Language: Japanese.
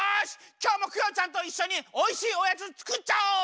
きょうもクヨちゃんといっしょにおいしいおやつつくっちゃおう！